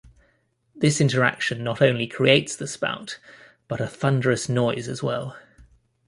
This interaction not only creates the spout, but a thunderous noise as well.